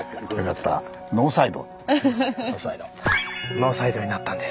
ノーサイドになったんです。